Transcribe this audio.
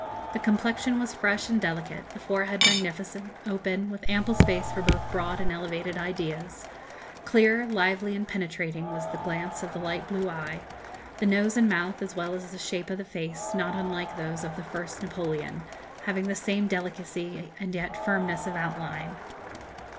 The complexion was fresh and delicate, the forehead magnificent, open, with ample space for both broad and elevated ideas; clear, lively, and penetrating was the glance of the light blue eye; the nose and mouth, as well as the shape of the face, not unlike those of the first Napoleon, having the same delicacy and yet firmness of outline.